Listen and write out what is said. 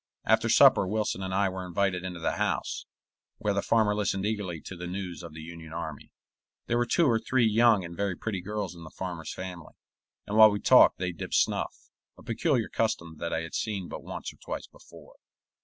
After supper Wilson and I were invited into the house, where the farmer listened eagerly to the news of the Union army. There were two or three young and very pretty girls in the farmer's family, and while we talked they dipped snuff, a peculiar custom that I had seen but once or twice before.